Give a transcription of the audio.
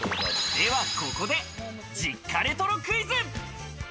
ではここで、実家レトロクイズ。